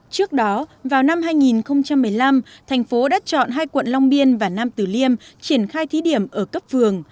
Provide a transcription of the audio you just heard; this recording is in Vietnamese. trước đó vào năm hai nghìn một mươi năm thành phố đã chọn hai quận long biên và nam tử liêm triển khai thí điểm ở cấp phường